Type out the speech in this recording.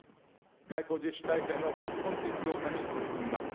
外交実施体制の抜本的強化に取り組みます。